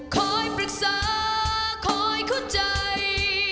คอยปรึกษาคอยเข้าใจ